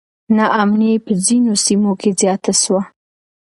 نا امني په ځینو سیمو کې زیاته سوه.